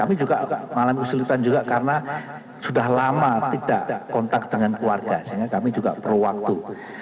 malam kesulitan juga karena sudah lama tidak kontak dengan keluarga sehingga kami juga berwaktu